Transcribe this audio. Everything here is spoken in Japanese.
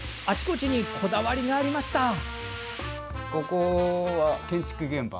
あちこちにこだわりがありました。